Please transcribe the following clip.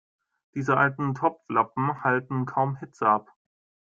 Diese alten Topflappen halten kaum Hitze ab.